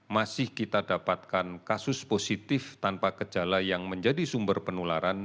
masih kita dapatkan kasus positif tanpa gejala yang menjadi sumber penularan